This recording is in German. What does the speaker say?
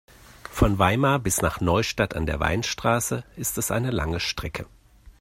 Von Weimar bis nach Neustadt an der Weinstraße ist es eine lange Strecke